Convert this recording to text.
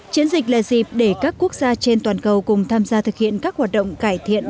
chiến dịch là dịp để các quốc gia trên toàn cầu cùng tham gia thực hiện các hoạt động cải thiện